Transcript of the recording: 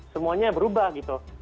semuanya berubah gitu